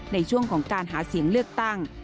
ในช่วงของการหาเสียงเลือกตั้ง